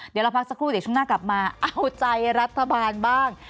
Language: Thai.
เดี๋ยวเราพักสักครู่เดี๋ยวช่วงหน้ากลับมาเอาใจรัฐบาลบ้าง